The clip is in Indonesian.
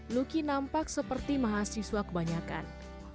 luki nampak seperti mahasiswa kebanyakan